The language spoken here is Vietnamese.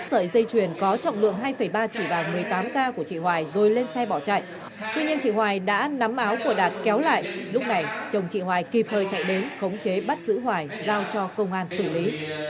sợi dây chuyền có trọng lượng hai ba chỉ vàng một mươi tám k của chị hoài rồi lên xe bỏ chạy tuy nhiên chị hoài đã nắm áo của đạt kéo lại lúc này chồng chị hoài kịp thời chạy đến khống chế bắt giữ hoài giao cho công an xử lý